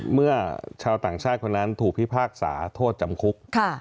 เมื่อชาวต่างชาติคนนั้นถูกพิพากษาโทษจำคุก